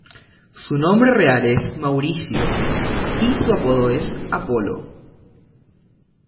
Su nombre real es Maurizio, y su apodo es "Apollo".